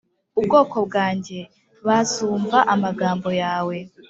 Ubwoko bwanjye Bazumva amagambo yawe.